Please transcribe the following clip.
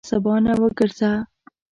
له سبا نه وګرځه.